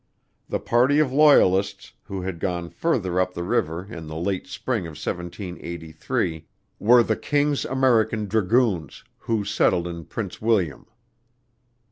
The party of Loyalists, who had gone further up the river in the late Spring of 1783, were the King's American Dragoons, who settled in Prince William.